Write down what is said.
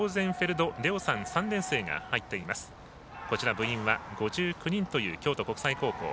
部員は５９人という京都国際高校。